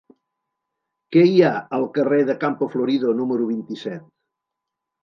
Què hi ha al carrer de Campo Florido número vint-i-set?